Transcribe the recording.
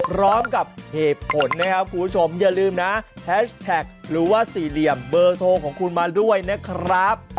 พร้อมกับเหตุผลนะครับคุณผู้ชมอย่าลืมนะแฮชแท็กหรือว่าสี่เหลี่ยมเบอร์โทรของคุณมาด้วยนะครับ